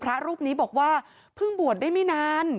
พระรูปนี้บอกว่าเพิ่งบวชได้ไม่นาน